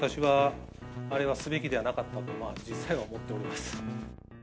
ファックスに関しては、私は、あれはすべきではなかったと、実際は思っております。